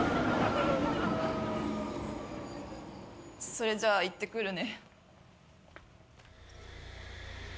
それじゃあ行ってくるね。